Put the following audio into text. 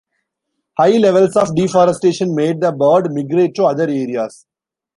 High levels of deforestation made the bird migrate to other areas.